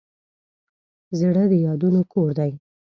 زړه د یادونو کور دی.